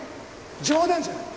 冗談じゃない！